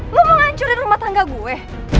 lo mau ngancurin rumah tangga gue